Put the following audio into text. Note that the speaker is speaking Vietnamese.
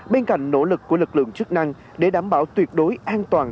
bên cạnh nỗ lực của lực lượng chức năng để đảm bảo tuyệt đối an toàn